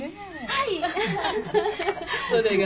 はい。